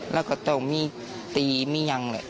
แล้วก็ต้องมีตีมียังแหละ